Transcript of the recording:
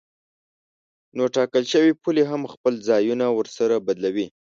نو ټاکل شوې پولې هم خپل ځایونه ورسره بدلوي.